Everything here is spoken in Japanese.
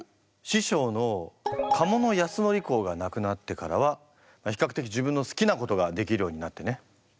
師匠の加茂保憲公が亡くなってからは比較的自分の好きなことができるようになってね。